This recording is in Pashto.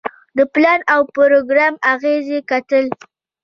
د پلان او پروګرام اغیزې کتل.